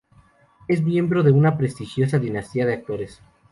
Es miembro de una prestigiosa dinastía de actores.